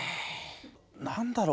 何だろう？